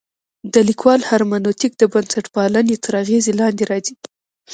د لیکوال هرمنوتیک د بنسټپالنې تر اغېز لاندې راځي.